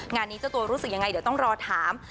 งานนี้เจ้าตัวรู้สึกยังไงเดี๋ยวต้องรอถาม